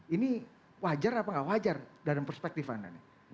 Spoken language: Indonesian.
ini wajar apa nggak wajar dari perspektif anda nih